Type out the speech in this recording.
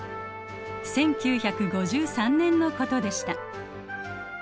１９５３年のことでした。